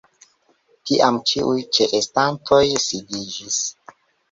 Tiam ĉiuj ĉeestantoj sidiĝis.